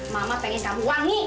mama pengen kamu wangi